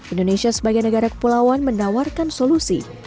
indonesia sebagai negara kepulauan menawarkan solusi